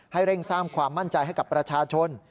เร่งสร้างความมั่นใจให้กับประชาชน